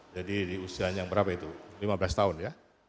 jadi di usianya berapa itu lima belas tahun ya